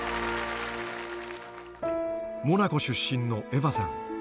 モナコ出身のエヴァさん